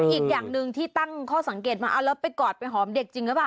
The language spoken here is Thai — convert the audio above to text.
อีกอย่างหนึ่งที่ตั้งข้อสังเกตมาเอาแล้วไปกอดไปหอมเด็กจริงหรือเปล่า